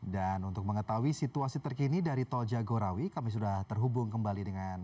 dan untuk mengetahui situasi terkini dari tol jagorawi kami sudah terhubung kembali dengan